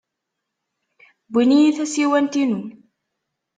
Wwin-iyi tasiwant-inu.